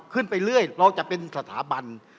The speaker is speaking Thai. ขึ้นไปเรื่อยเราจะเป็นสถาบัน